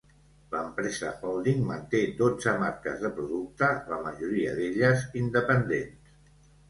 L'empresa holding manté dotze marques de producte, la majoria d'elles independents.